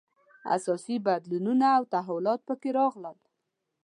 اساسي بدلونونه او تحولات په کې راغلل.